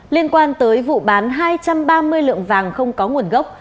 liên quan tới vụ bán hai trăm ba mươi lượng vàng không có nguồn gốc